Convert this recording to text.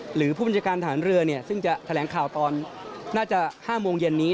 หรือผู้บัญชาการฐานเรือซึ่งจะแถลงข่าวตอนน่าจะ๕โมงเย็นนี้